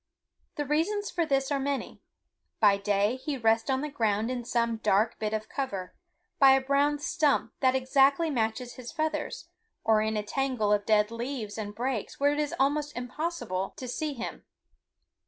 The reasons for this are many. By day he rests on the ground in some dark bit of cover, by a brown stump that exactly matches his feathers, or in a tangle of dead leaves and brakes where it is almost impossible to see him.